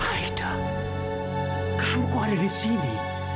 aida kau ada di sini